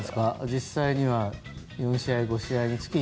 実際には４試合、５試合につき。